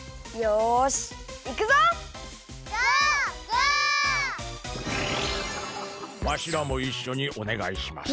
わしらもいっしょにおねがいします。